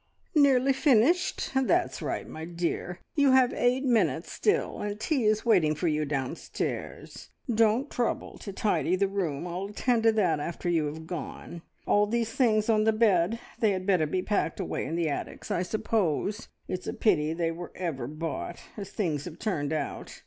"Nearly finished? That's right, my dear. You have eight minutes still, and tea is waiting for you downstairs. Don't trouble to tidy the room, I'll attend to that after you have gone. All these things on the bed they had better be packed away in the attics, I suppose. It's a pity they were ever bought, as things have turned out.